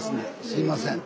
すいません